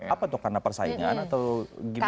apa tuh karena persaingan atau gimana